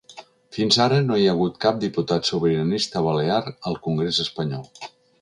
Fins ara no hi ha hagut cap diputat sobiranista balear al congrés espanyol.